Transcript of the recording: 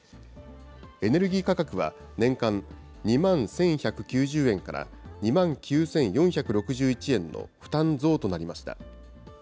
エネルギー価格は年間２万１１９０円から２万９４６１円の負担増となりました。